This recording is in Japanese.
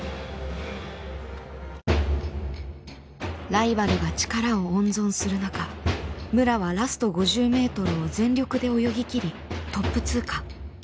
ライバルが力を温存する中武良はラスト５０ｍを全力で泳ぎきりトップ通過。